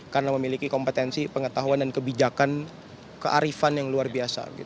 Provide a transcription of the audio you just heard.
karena memiliki kompetensi pengetahuan dan kebijakan kearifan yang luar biasa